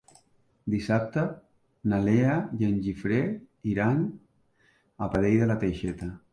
Dissabte na Lea i en Guifré iran a Pradell de la Teixeta.